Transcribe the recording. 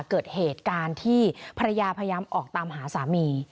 เกิดเหตุการณ์ที่ภรรยาพยายามออกตามหาสามี